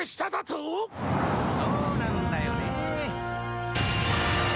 そうなんだよね。